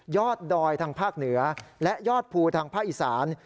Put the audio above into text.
อดดอยทางภาคเหนือและยอดภูทางภาคอีสาน